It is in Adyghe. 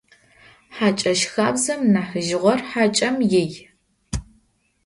Хьакӏэщ хабзэм нахьыжъыгъэр хьакӏэм ий.